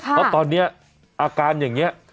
เพราะตอนนี้อาการอย่างนี้